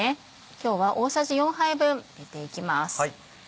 今日は大さじ４杯分入れていきます。